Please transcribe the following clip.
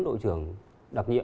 đội trưởng đặc nhiệm